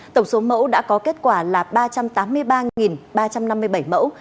tổng số mẫu đã có kết quả là ba trăm tám mươi ba ba trăm năm mươi bảy mẫu